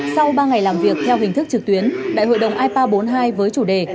sau ba ngày làm việc theo hình thức trực tuyến đại hội đồng ipa bốn mươi hai với chủ đề